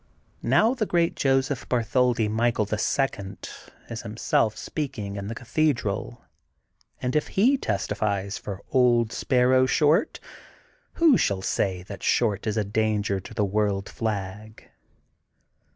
Now the great Joseph Bartholdi Michael, the Second, is himself speaking in the cathe dral, and, if he testifies for old Sparrow Short, who shall say that Short is a danger to the World Flag?